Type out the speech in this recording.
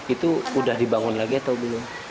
itu udah dibangun lagi atau belum